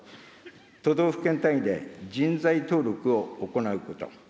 都道府県単位で人材登録を行うこと。